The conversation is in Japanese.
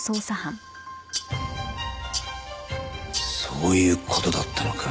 そういう事だったのか。